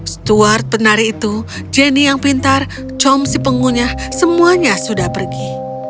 steward penari itu jenny yang pintar chom si penggunyah semuanya sudah pergi